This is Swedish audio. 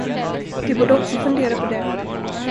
Du borde också fundera på det.